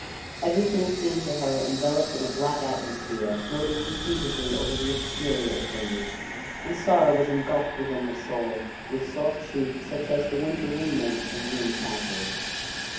Everything seemed to her enveloped in a black atmosphere floating confusedly over the exterior of things, and sorrow was engulfed within her soul with soft shrieks such as the winter wind makes in ruined castles.